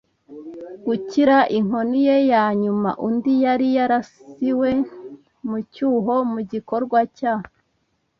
gukira inkoni ye ya nyuma. Undi yari yarasiwe mu cyuho mu gikorwa cya